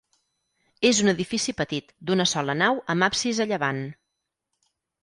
És un edifici petit, d'una sola nau amb absis a llevant.